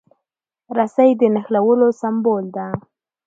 رسۍ د نښلولو سمبول ده.